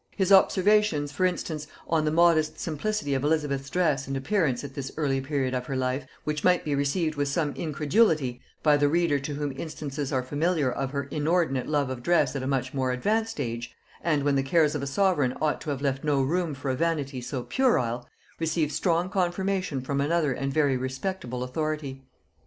His observations, for instance, on the modest simplicity of Elizabeth's dress and appearance at this early period of her life, which might be received with some incredulity by the reader to whom instances are familiar of her inordinate love of dress at a much more advanced age, and when the cares of a sovereign ought to have left no room for a vanity so puerile, receive strong confirmation from another and very respectable authority.